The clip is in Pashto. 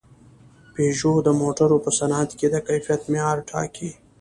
پيژو د موټرو په صنعت کې د کیفیت معیار ټاکي.